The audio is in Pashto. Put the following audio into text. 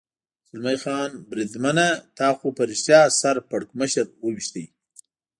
زلمی خان: بریدمنه، تا خو په رښتیا سر پړکمشر و وېشت.